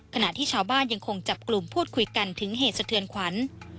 ขณะที่ชาวบ้านยังคงจับกลุ่มพูดคุยกันถึงเหตุสะเทือนขวัญ